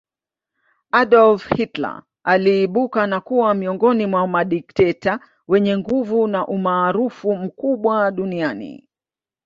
Adolf Hitler aliibuka na kuwa miongoni mwa madikteta wenye nguvu na umaarufu mkubwa duniani